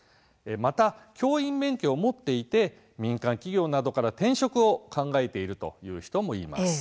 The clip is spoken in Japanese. また教員免許を持っていて民間企業などから転職を考えているという人もいます。